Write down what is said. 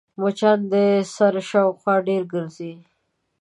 مچان د سر شاوخوا ډېر ګرځي